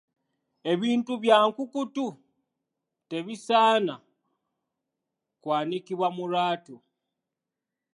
Ebintu bya nkukutu tebisaana kwanikibwa mu lwatu.